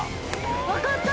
分かった！